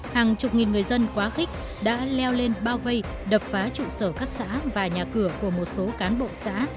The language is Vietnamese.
hàng chục nghìn người dân quá khích đã leo lên bao vây đập phá trụ sở các xã và nhà cửa của một số cán bộ xã